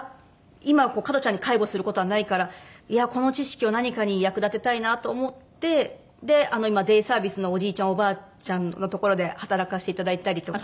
今加トちゃんに介護する事はないからこの知識を何かに役立てたいなと思って今デイサービスのおじいちゃんおばあちゃんの所で働かせていただいたりとか。